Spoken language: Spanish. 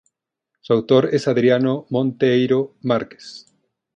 Su autor es Adriano Monteiro Marques.